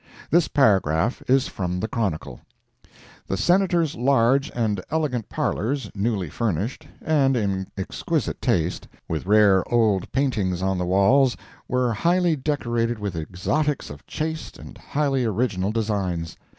This paragraph is from the Chronicle: "The Senator's large and elegant parlors, newly furnished, and in exquisite taste, with rare old paintings on the walls, were highly decorated with exotics of chaste and highly original designs.